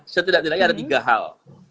setidak tidaknya ada tiga hal